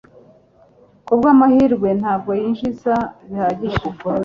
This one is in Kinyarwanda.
kubwamahirwe, ntabwo yinjiza bihagije